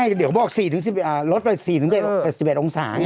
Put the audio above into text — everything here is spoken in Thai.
ใช่เดี๋ยวบอกสี่ถึงสิบเออลดไปสี่ถึงเป็นแปดสี่แบบองศาไง